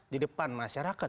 di depan masyarakat